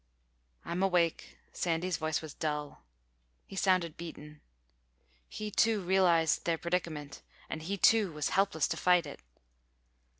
"I'm awake." Sandy's voice was dull. He sounded beaten. He, too, realized their predicament—and he, too, was helpless to fight it.